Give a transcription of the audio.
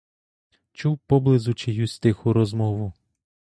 Чув поблизу чиюсь тиху розмову.